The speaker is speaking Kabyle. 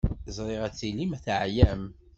Ẓriɣ ad tilim teɛyam.